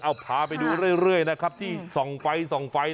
เอาพาไปดูเรื่อยนะครับที่ส่องไฟส่องไฟ